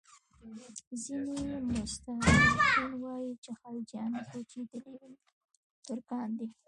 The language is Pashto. ځینې مستشرقین وایي چې خلجیان کوچېدلي ترکان دي.